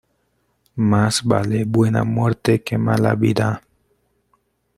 Mas vale buena muerte que mala vida.